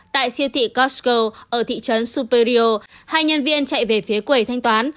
tại siêu thị costco ở thị trấn superior hai nhân viên chạy về phía quẩy thanh toán